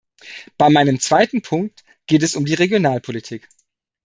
Bei meinem zweiten Punkt geht es um die Regionalpolitik.